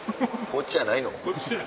こっちじゃないと。